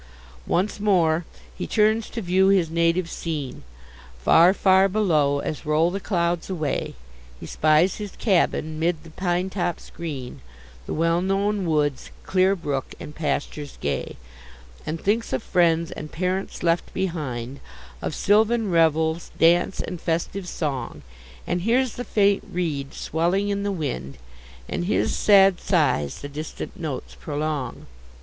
Once more he turns to view his native scene— Far, far below, as roll the clouds away, He spies his cabin 'mid the pine tops green, The well known woods, clear brook, and pastures gay; And thinks of friends and parents left behind, Of sylvan revels, dance, and festive song; And hears the faint reed swelling in the wind; And his sad sighs the distant notes prolong!